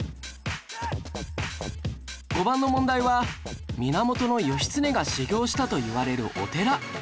５番の問題は源義経が修行したといわれるお寺